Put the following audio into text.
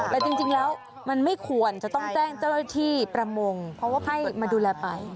แต่จริงแล้วมันไม่ควรจะต้องแจ้งเจ้าหน้าที่ประมงเพราะว่าให้มาดูแลไป